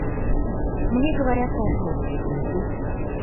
Мне говорят — развод.